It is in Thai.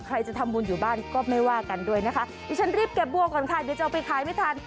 ใครจะทำบุญอยู่บ้านก็ไม่ว่ากันด้วยนะคะดิฉันรีบเก็บบัวก่อนค่ะเดี๋ยวจะเอาไปขายไม่ทัน